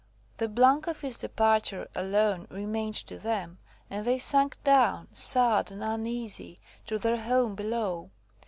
The blank of his departure alone remained to them, and they sank down, sad and uneasy, to their home below.